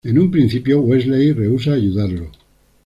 En un principio Wesley rehúsa ayudarlo.